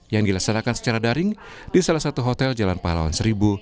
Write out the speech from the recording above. yang dilaksanakan secara daring di salah satu hotel jalan pahlawan seribu